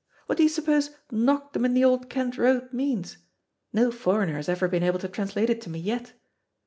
What do you suppose 'Knocked 'em in the Old Kent Road' means? No foreigner has ever been able to translate it to me yet.